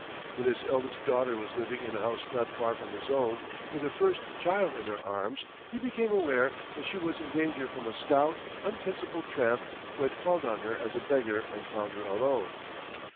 When his eldest daughter was living in a house not far from his own, with her first child in her arms, he became aware that she was in danger from a stout, unprincipled tramp who had called on her as a beggar and found her alone.